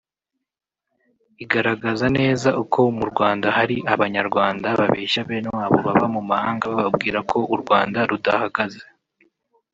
igaragaza neza uko mu Rwanda hari Abanyarwanda babeshya bene wabo baba mu mahanga bababwira ko u Rwanda rudahagaze